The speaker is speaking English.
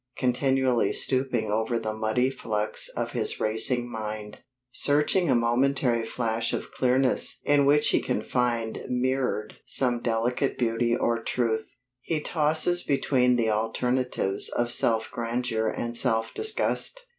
Continually stooping over the muddy flux of his racing mind, searching a momentary flash of clearness in which he can find mirrored some delicate beauty or truth, he tosses between the alternatives of self grandeur and self disgust.